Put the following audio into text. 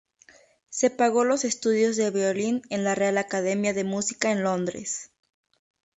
Se pago los estudios de violín en la real Academia de Música en Londres.